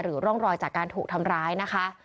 ร่องรอยจากการถูกทำร้ายนะคะ